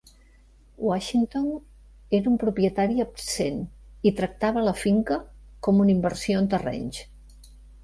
Washington era un propietari absent i tractava la finca com una inversió en terrenys.